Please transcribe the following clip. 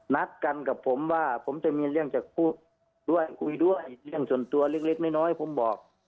นัดกันกับผมว่าผมจะมีเรื่องจากคุยด้วยเรื่องส่วนตัวเล็กน้อยผมบอก